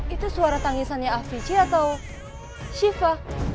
itu suara tangisannya africi atau siva